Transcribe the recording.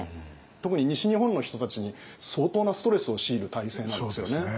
特に西日本の人たちに相当なストレスを強いる体制なんですよね。